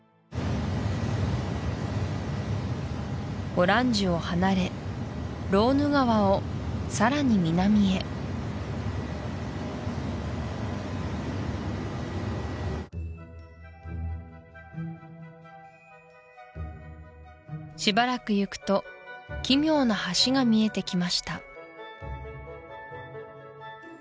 オランジュを離れローヌ川をさらに南へしばらく行くと奇妙な橋が見えてきました